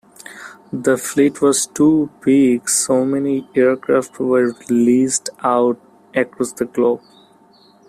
The fleet was too big, so many aircraft were leased out across the globe.